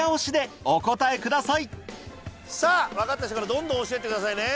さぁ分かった人からどんどん押してってくださいね。